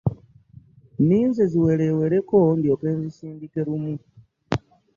Ninze ziwerewereko ndyooke nzisindike lumu .